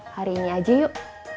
hari ini aja yuk